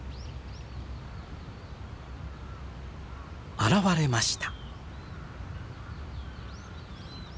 現れました。